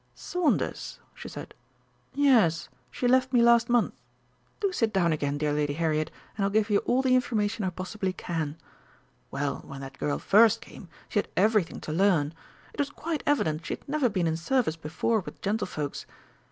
"Saunders?" she said, "yes, she left me last month. Do sit down again, dear Lady Harriet, and I'll give you all the information I possibly can. Well, when that girl first came, she had everything to learn. It was quite evident she'd never been in service before with gentlefolks.